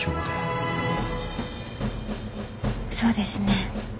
そうですね。